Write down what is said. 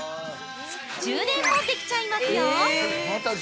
充電もできちゃいますよ！